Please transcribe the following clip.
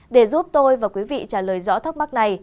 để giúp tôi và quý vị trả lời rõ thắc mắc này